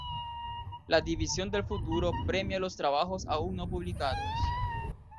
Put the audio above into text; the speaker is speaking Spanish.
La "División del Futuro" premia los trabajos aun no publicados.